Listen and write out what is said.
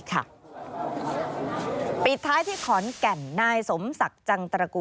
ปิดท้ายที่ขอนแก่นนายสมศักดิ์จังตระกู